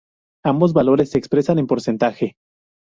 Ambos valores se expresan en porcentaje.